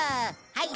はい！